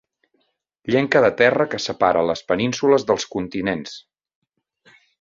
Llenca de terra que separa les penínsules dels continents.